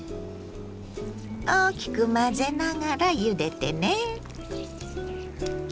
大きく混ぜながらゆでてね。